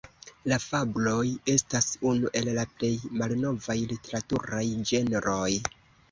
La fabloj estas unu el la plej malnovaj literaturaj ĝenroj.